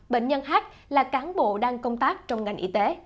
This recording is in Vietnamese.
bệnh nhân h là cán bộ đang công tác trong ngành y tế